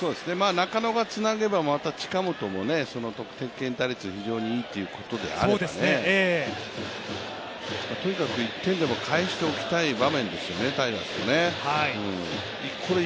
中野がつなげば、近本も得点圏打率、非常にいいということであればね、とにかく１点でも返しておきたい場面ですよね、タイガースとしては。